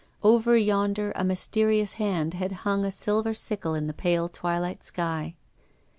Over yonder a mysterious hand had hung a silver sickle in the pale twilight sky.